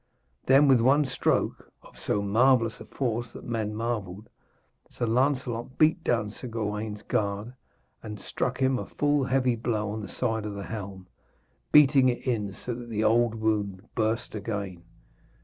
Then with one stroke, of so marvellous a force that men marvelled, Sir Lancelot beat down Sir Gawaine's guard, and struck him a full heavy blow on the side of the helm, beating it in so that the old wound burst again.